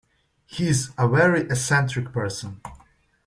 He is a very eccentric person.